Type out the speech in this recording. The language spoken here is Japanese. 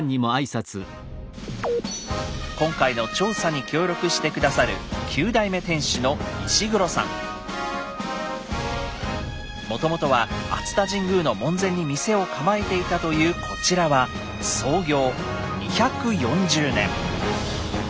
今回の調査に協力して下さる９代目店主のもともとは熱田神宮の門前に店を構えていたというこちらは創業２４０年。